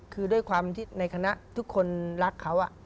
คือด้วยความที่ในคณะทุกคนรักเขา